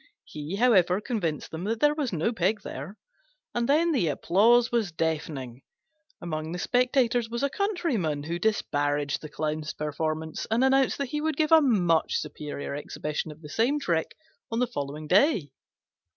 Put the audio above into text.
He, however, convinced them that there was no pig there, and then the applause was deafening. Among the spectators was a Countryman, who disparaged the Clown's performance and announced that he would give a much superior exhibition of the same trick on the following day.